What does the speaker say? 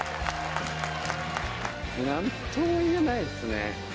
なんとも言えないですね。